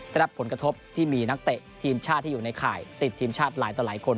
ได้รับผลกระทบที่มีนักเตะทีมชาติที่อยู่ในข่ายติดทีมชาติหลายต่อหลายคน